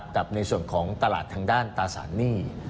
กับในส่วนของตลาดทางด้านตราสารหนี้